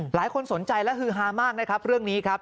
หลายคนสนใจและฮือฮามากนะครับเรื่องนี้ครับ